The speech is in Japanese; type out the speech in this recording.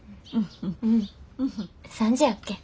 うん３時やっけ。